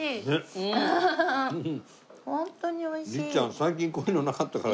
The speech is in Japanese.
最近こういうのなかったから。